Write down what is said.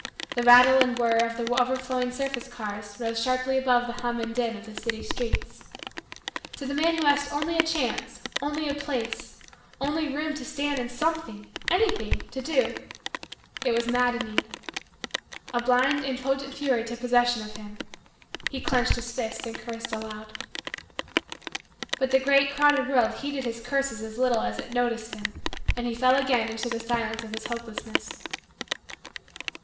The rattle and whirr of the overflowing surface cars rose sharply above the hum and din of the city streets. To the man who asked only a chance, only a place, only room to stand and something anything to do, it was maddening. A blind, impotent, fury took possession of him. He clenched his fists and cursed aloud. But the great, crowded, world heeded his curses as little as it noticed him and he fell again into the silence of his hopelessness.